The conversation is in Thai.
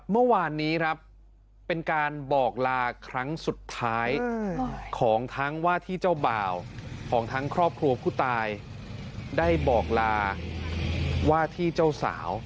เมื่อวานนี้ครับเป็นการบอกลาครั้งสุดท้ายของทั้งว่าที่เจ้าบ่าวของทั้งครอบครัวผู้ตายได้บอกลาว่าที่เจ้าสาว